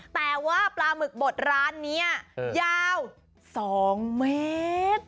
แต่ว่าปลาหมึกบดร้านนี้ยาว๒เมตร